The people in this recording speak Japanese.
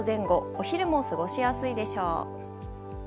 お昼も過ごしやすいでしょう。